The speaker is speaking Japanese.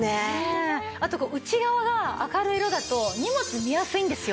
あと内側が明るい色だと荷物見やすいんですよ。